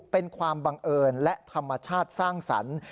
เป็นความบังเอิญและธรรมชาติสร้างสรรค์